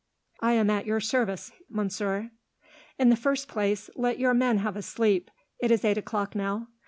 I am at your service, monsieur." "In the first place, let your men have a sleep. It is eight o'clock now.